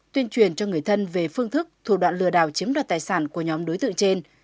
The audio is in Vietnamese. tuyên truyền cho người thân về phương thức thủ đoạn lừa đảo chiếm đoạt tài sản của nhóm đối tượng trên